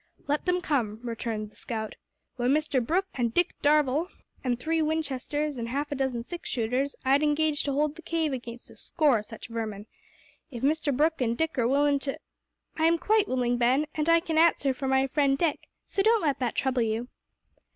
"Let them come," returned the scout. "Wi' Mr Brooke, an' Dick Darvall, an' three Winchesters, an' half a dozen six shooters, I'd engage to hold the cave against a score o' such varmin. If Mr Brooke an' Dick are willin' to " "I am quite willing, Ben, and I can answer for my friend Dick, so don't let that trouble you."